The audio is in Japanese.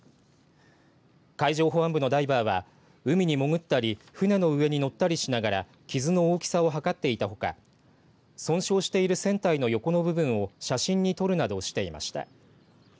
海上保安部のダイバーは海に潜ったり船の上に乗ったりしながら傷の大きさを測っていたほか損傷している船体の横の部分を写真に撮るなどしていました。